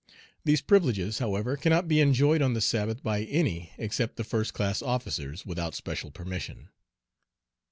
These privileges, however, cannot be enjoyed on the Sabbath by any except the first class officers, without special permission.